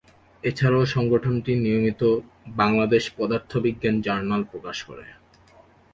এছাড়াও সংগঠনটি নিয়মিত "বাংলাদেশ পদার্থবিজ্ঞান জার্নাল" প্রকাশ করে।